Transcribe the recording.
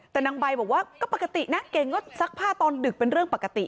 แต่นางใบบอกว่าก็ปกตินะเก่งก็ซักผ้าตอนดึกเป็นเรื่องปกติ